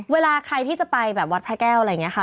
เวลาใครที่จะไปแบบวัดพระแก้วอะไรอย่างนี้ค่ะ